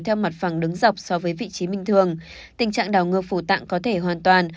theo mặt phẳng đứng dọc so với vị trí bình thường tình trạng đảo ngược phủ tạng có thể hoàn toàn